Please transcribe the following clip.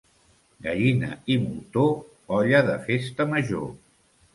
Gallina i moltó, olla de festa major.